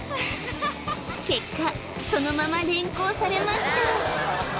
結果そのまま連行されました